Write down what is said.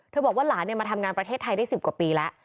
บอกว่าหลานมาทำงานประเทศไทยได้๑๐กว่าปีแล้ว